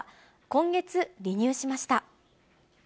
今月、離乳しました。